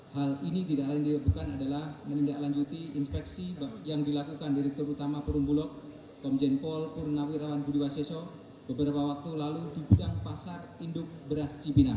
hal ini tidak lagi dilakukan adalah menindaklanjuti infeksi yang dilakukan direktur utama perumbulok komjen paul purnawirawan budiwaseso beberapa waktu lalu di gudang pasar induk beras cipinang